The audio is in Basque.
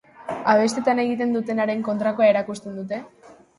Abestietan egiten dutenaren kontrakoa erakusten dute.